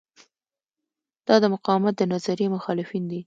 دا د مقاومت د نظریې مخالفین دي.